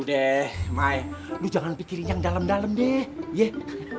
udah mai lo jangan pikirin yang dalem dalem yeh